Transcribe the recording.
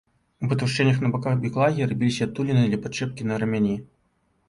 У патаўшчэннях па баках біклагі рабіліся адтуліны для падчэпкі на рамяні.